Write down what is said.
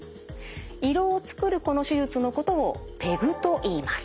胃ろうを作るこの手術のことをＰＥＧといいます。